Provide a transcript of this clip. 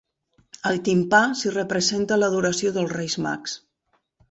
Al timpà s'hi representa l'adoració dels Reis Mags.